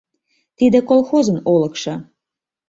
Тиде — колхозын олыкшо.